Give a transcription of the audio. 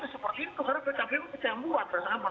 karena pak kapil itu kecembuan